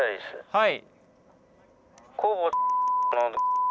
はい。